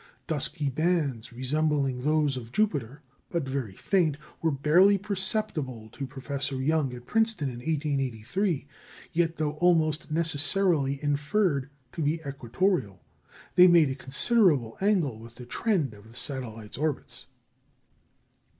Dusky bands resembling those of Jupiter, but very faint, were barely perceptible to Professor Young at Princeton in 1883. Yet, though almost necessarily inferred to be equatorial, they made a considerable angle with the trend of the satellites' orbits.